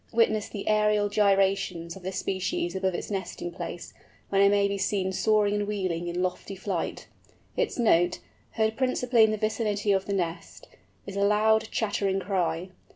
Witness the aerial gyrations of this species above its nesting place, when it may be seen soaring and wheeling in lofty flight. Its note, heard principally in the vicinity of the nest, is a loud, chattering cry.